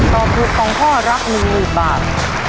ตอบถูก๒ข้อรับ๑๐๐๐บาท